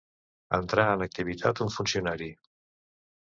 Entrar en activitat un funcionari.